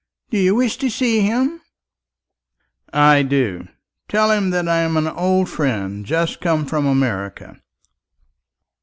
Do you wish to see him?" "I do. Tell him that I am an old friend, just come from America."